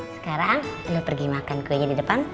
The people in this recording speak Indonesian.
sekarang beliau pergi makan kuenya di depan